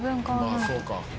まあそうか。